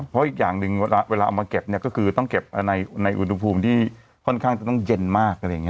เพราะอีกอย่างนึงเวลาเอามาเก็บก็คือต้องเก็บในอุณหภูมิที่ค่อนข้างจะต้องเย็นมาก